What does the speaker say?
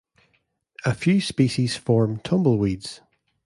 A few species form tumbleweeds.